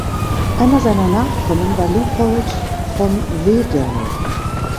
Einer seiner Nachkommen war Lupold von Wedel.